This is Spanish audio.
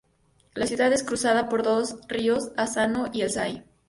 La ciudad es cruzada por dos ríos: Asano y el Sai.